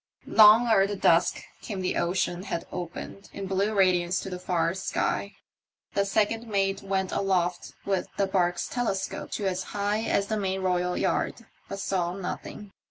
Long ere the dusk came the ocean had opened in blue radiance to the far sky. The second mate went 16 THE MYSTERY OF THE ''OCEAN BTAUr aloft with the barque's telescope to as high as the main royal yard, but saw nothing.